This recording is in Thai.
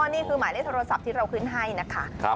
นี่คือหมายเลขโทรศัพท์ที่เราขึ้นให้นะคะ